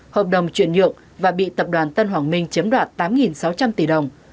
hợp đồng chuyển nhượng và bị tập đoàn tân hoàng minh chiếm đoạt tám sáu trăm linh tỷ đồng